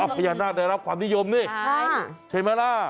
พญานาคได้รับความนิยมนี่ใช่ไหมล่ะ